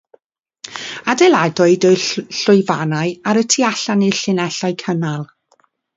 Adeiladwyd y llwyfannau ar y tu allan i'r llinellau cynnal.